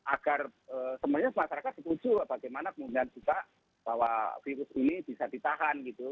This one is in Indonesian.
agar sebenarnya masyarakat setuju bagaimana kemudian juga bahwa virus ini bisa ditahan gitu